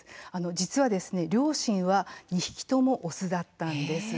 実は両親は２匹ともオスだったんです。